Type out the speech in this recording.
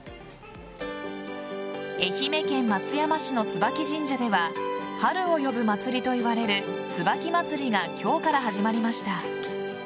愛媛県松山市の椿神社では春を呼ぶ祭りといわれる椿まつりが今日から始まりました。